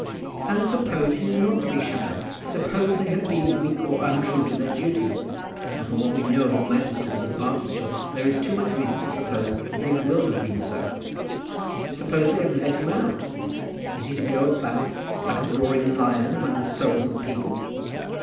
"And suppose he is not to be shut up. Suppose they have been weak, or untrue to their duty and from what we know of the magistrates of Barsetshire, there is too much reason to suppose that they will have been so; suppose they have let him out, is he to go about like a roaring lion among the souls of the people?"